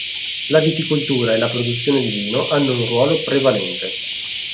La viticoltura e la produzione di vino hanno un ruolo prevalente.